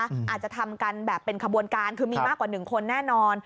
อาจจะทำกันแบบเป็นขบวนการคือมีมากกว่า๑คนแน่นอน